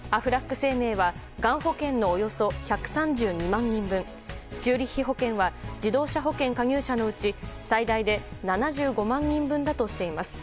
生命はがん保険のおよそ１３２万人分チューリッヒ保険は自動車保険加入者のうち最大で７５万人分だとしています。